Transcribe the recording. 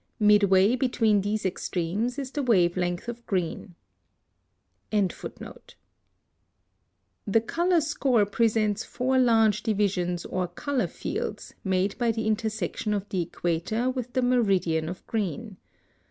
Midway between these extremes is the wave length of green.] [Illustration: Fig. 22.] (137) The color score presents four large divisions or color fields made by the intersection of the equator with the meridian of green.